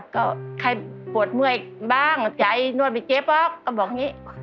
ก็ใครปวดเมื่อยบ้างใจนวดไม่เจ็บหรอกก็บอกอย่างนี้